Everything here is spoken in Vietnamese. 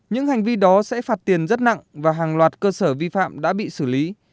những hành vi đó sẽ phạt tiền rất nặng và hàng loạt cơ sở vi phạm đã bị xử lý